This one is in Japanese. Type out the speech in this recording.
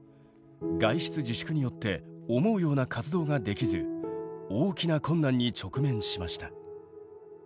外出自粛によって思うような活動ができず大きな困難に直面しました。